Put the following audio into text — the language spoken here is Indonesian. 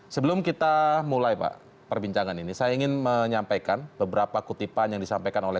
sebelum kita mulai pak perbincangan ini saya ingin menyampaikan beberapa kutipan yang disampaikan oleh